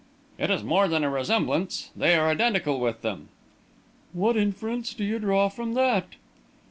"It is more than a resemblance. They are identical with them." "What inference do you draw from that?"